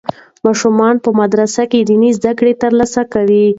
ماشومان په مدرسه کې دیني زده کړې ترلاسه کوي.